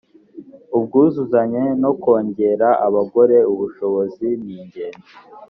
ubwuzuzanye no kongerera abagore ubushobozi ningenzi